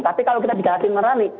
tapi kalau kita dikatakan menerani